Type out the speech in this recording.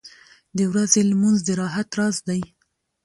• د ورځې لمونځ د راحت راز دی.